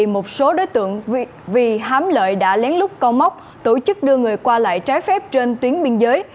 một số đối tượng vì hám lợi đã lén lút câu móc tổ chức đưa người qua lại trái phép trên tuyến biên giới